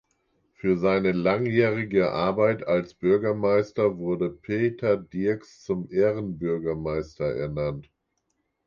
Für seine langjährige Arbeit als Bürgermeister wurde Peter Dirks zum "Ehrenbürgermeister" ernannt.